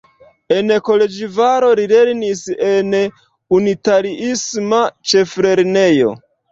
En Koloĵvaro li lernis en unitariisma ĉeflernejo.